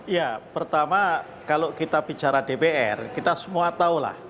ya pertama kalau kita bicara dpr kita semua tahulah